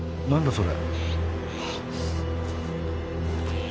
それ。